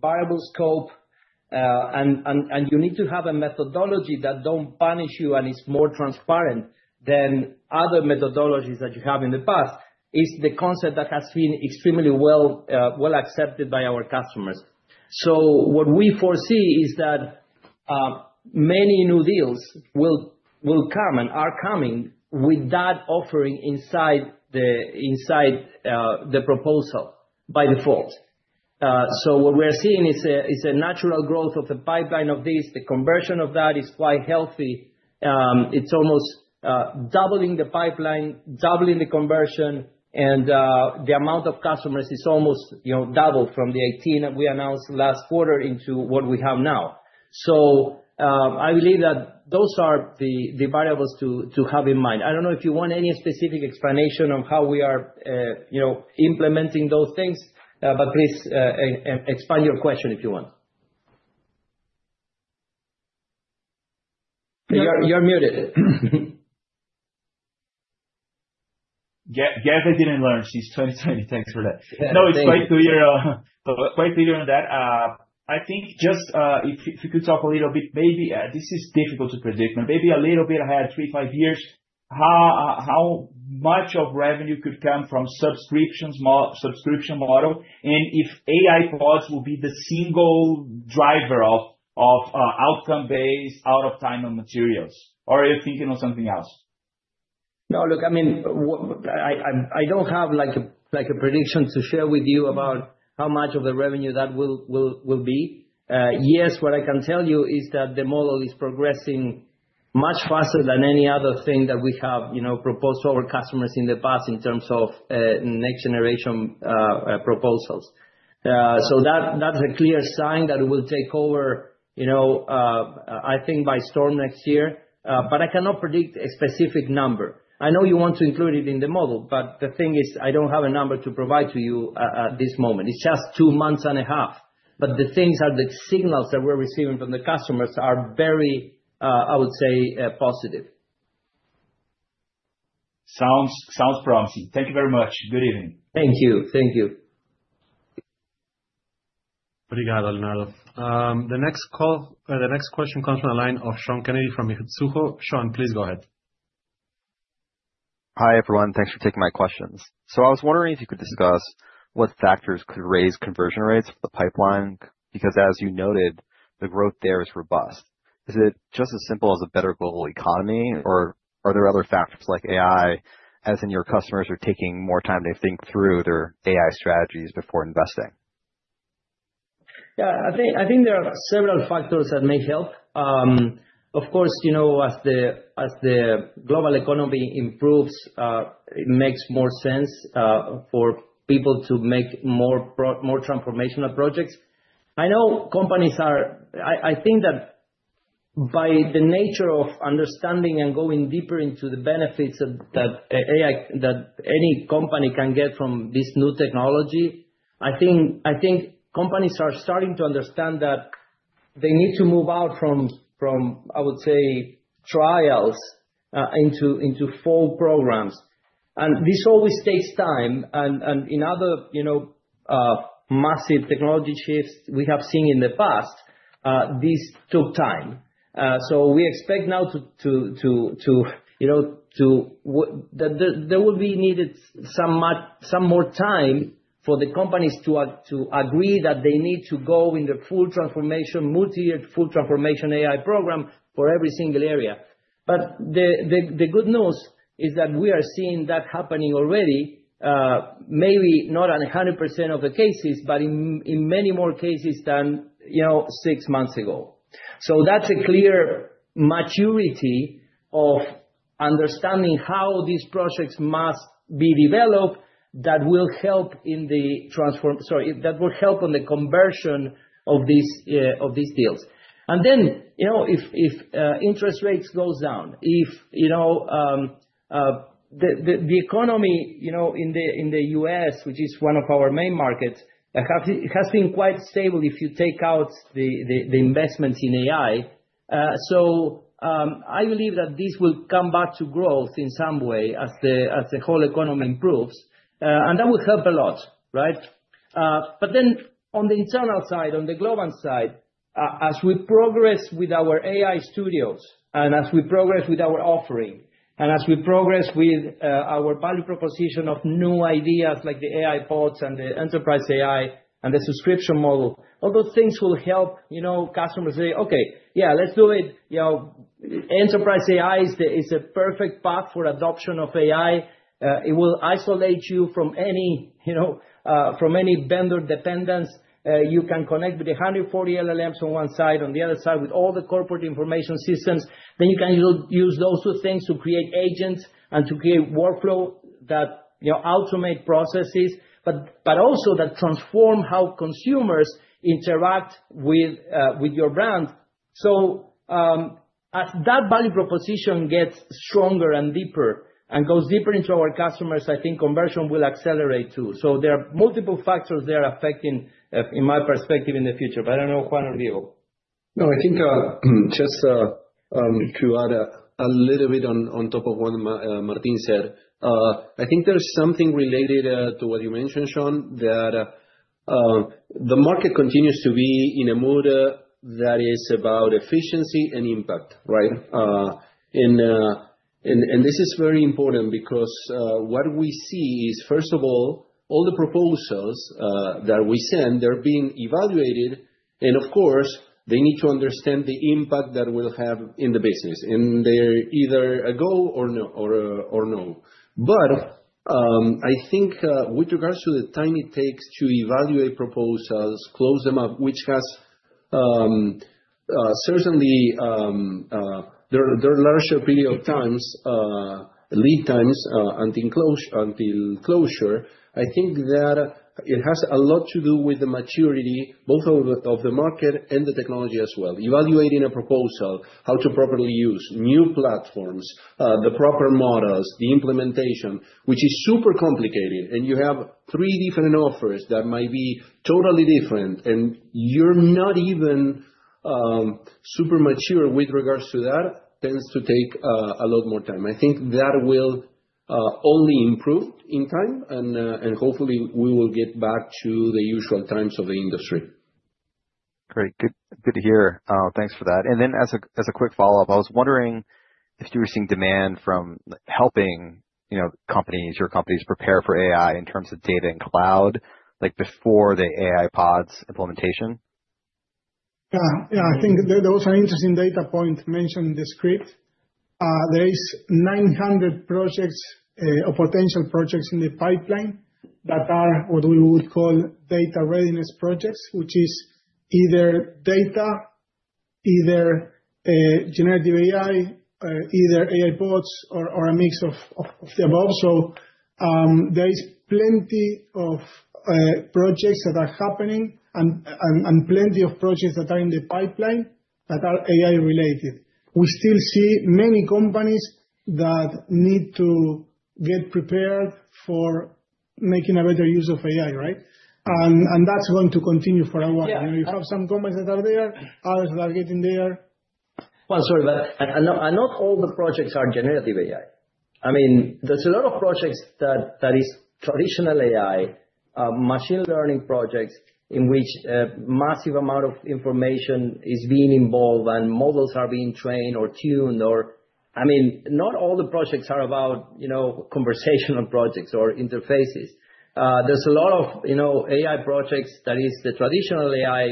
variable scope and you need to have a methodology that does not punish you and is more transparent than other methodologies that you have in the past, is the concept that has been extremely well accepted by our customers. What we foresee is that many new deals will come and are coming with that offering inside the proposal by default. What we are seeing is a natural growth of the pipeline of this. The conversion of that is quite healthy. It is almost doubling the pipeline, doubling the conversion, and the amount of customers is almost doubled from the 18 that we announced last quarter into what we have now. I believe that those are the variables to have in mind. I don't know if you want any specific explanation on how we are implementing those things, but please expand your question if you want. You're muted.
Gary didn't learn. She's 2020. Thanks for that. No, it's quite clear on that. I think just if we could talk a little bit, maybe this is difficult to predict, but maybe a little bit ahead, three-five years, how much of revenue could come from subscription model and if AI Bots will be the single driver of outcome-based, out-of-time of materials, or are you thinking of something else?
No, look, I mean, I don't have a prediction to share with you about how much of the revenue that will be. Yes, what I can tell you is that the model is progressing much faster than any other thing that we have proposed to our customers in the past in terms of next-generation proposals. That's a clear sign that it will take over, I think, by storm next year, but I cannot predict a specific number. I know you want to include it in the model, but the thing is I don't have a number to provide to you at this moment. It's just two months and a half, but the signals that we're receiving from the customers are very, I would say, positive.
Sounds promising. Thank you very much. Good evening.
Thank you. Thank you.
Leonardo. The next question comes from the line of Sean Kennedy from Mizuho. Sean, please go ahead.
Hi, everyone. Thanks for taking my questions. I was wondering if you could discuss what factors could raise conversion rates for the pipeline because, as you noted, the growth there is robust. Is it just as simple as a better global economy, or are there other factors like AI, as in your customers are taking more time to think through their AI strategies before investing?
Yeah, I think there are several factors that may help. Of course, as the global economy improves, it makes more sense for people to make more transformational projects. I know companies are—I think that by the nature of understanding and going deeper into the benefits that any company can get from this new technology, I think companies are starting to understand that they need to move out from, I would say, trials into full programs. This always takes time. In other massive technology shifts we have seen in the past, this took time. We expect now to—there will be needed some more time for the companies to agree that they need to go in the full transformation, Multi-year full transformation AI program for every single area. The good news is that we are seeing that happening already, maybe not in 100% of the cases, but in many more cases than six months ago. So, that is a clear maturity of understanding how these projects must be developed that will help in the transform—sorry, that will help on the conversion of these deals. If interest rates go down, if the economy in the US, which is one of our main markets, has been quite stable if you take out the investments in AI, I believe that this will come back to growth in some way as the whole economy improves. That will help a lot, right? On the internal side, on the Globant side, as we progress with our AI studios and as we progress with our offering and as we progress with our value proposition of new ideas like the AI Bots and the Enterprise AI and the subscription model, all those things will help customers say, "Okay, yeah, let's do it." Enterprise AI is a perfect path for adoption of AI. It will isolate you from any vendor dependence. You can connect with 140 LLMs on one side, on the other side with all the corporate information systems. You can use those two things to create agents and to create workflow that automate processes, but also that transform how consumers interact with your brand. As that value proposition gets stronger and deeper and goes deeper into our customers, I think conversion will accelerate too. There are multiple factors there affecting, in my perspective, in the future. But I don't know, Juan Urthiague.
No, I think just to add a little bit on top of what Martín said, I think there's something related to what you mentioned, Sean, that the market continues to be in a mood that is about efficiency and impact, right? This is very important because what we see is, first of all, all the proposals that we send, they're being evaluated. Of course, they need to understand the impact that will have in the business. They're either a go or no. I think with regards to the time it takes to evaluate proposals, close them up, which has certainly their larger period of times, lead times until closure, I think that it has a lot to do with the maturity both of the market and the technology as well. Evaluating a proposal, how to properly use new platforms, the proper models, the implementation, which is super complicated. You have three different offers that might be totally different, and you're not even super mature with regards to that, tends to take a lot more time. I think that will only improve in time, and hopefully, we will get back to the usual times of the industry.
Great. Good to hear. Thanks for that. As a quick follow-up, I was wondering if you were seeing demand from helping companies, your companies, prepare for AI in terms of data and cloud before the AI Bots implementation?
Yeah. Yeah, I think that was an interesting data point mentioned in the script. There are 900 projects or potential projects in the pipeline that are what we would call data readiness projects, which is either data, either generative AI, either AI Bots, or a mix of the above. There are plenty of projects that are happening and plenty of projects that are in the pipeline that are AI-related. We still see many companies that need to get prepared for making a better use of AI, right? That is going to continue for a while. You have some companies that are there, others that are getting there.
Sorry, but not all the projects are generative AI. I mean, there's a lot of projects that are traditional AI, machine learning projects in which a massive amount of information is being involved and models are being trained or tuned. I mean, not all the projects are about conversational projects or interfaces. There's a lot of AI projects that are the traditional AI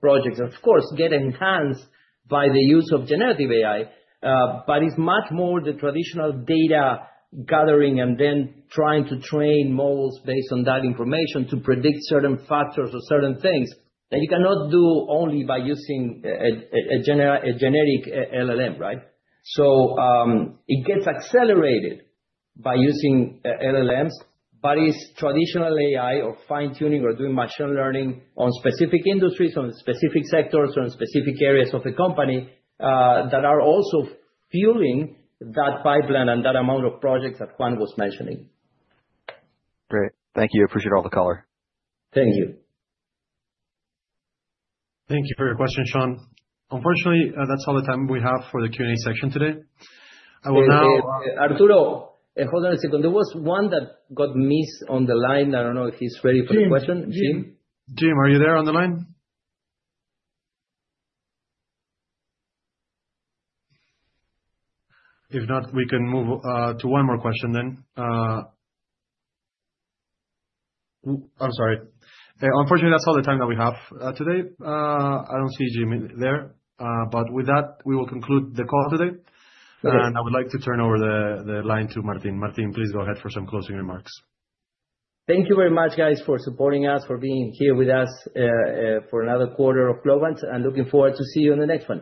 projects, of course, get enhanced by the use of generative AI, but it's much more the traditional data gathering and then trying to train models based on that information to predict certain factors or certain things that you cannot do only by using a generic LLM, right? It gets accelerated by using LLMs, but it's traditional AI or fine-tuning or doing machine learning on specific industries, on specific sectors, on specific areas of a company that are also fueling that pipeline and that amount of projects that Juan was mentioning.
Great. Thank you. Appreciate all the color.
Thank you.
Thank you for your question, Sean. Unfortunately, that's all the time we have for the Q&A section today. I will now.
Arturo, hold on a second. There was one that got missed on the line. I don't know if he's ready for the question.
Jim? Jim? Are you there on the line? If not, we can move to one more question. I'm sorry. Unfortunately, that's all the time that we have today. I don't see Jim there. With that, we will conclude the call today. I would like to turn over the line to Martín. Martín, please go ahead for some closing remarks.
Thank you very much, guys, for supporting us, for being here with us for another quarter of Globant. Looking forward to see you on the next one.